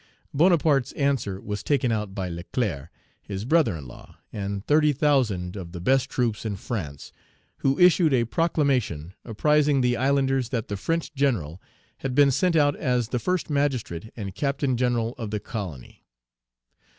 Bonaparte's answer was taken out by Leclerc, his brother in law, and thirty thousand of the best troops in France, who issued a proclamation apprising the islanders that the French general had been sent out as the first magistrate and Captain General of the colony.